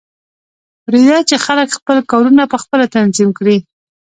پریږده چې خلک خپل کارونه پخپله تنظیم کړي